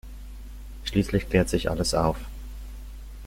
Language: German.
Schließlich klärt sich alles auf.